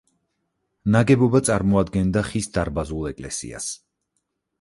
ნაგებობა წარმოადგენდა ხის დარბაზულ ეკლესია.